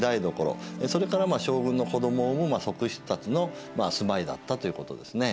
それから将軍の子どもを産む側室たちのまあ住まいだったということですね。